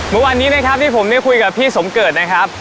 เมื่อวานนี้นะครับที่ผมได้คุยกับพี่สมเกิดนะครับ